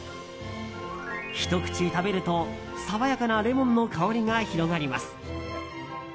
ひと口食べると爽やかなレモンの香りが広がります。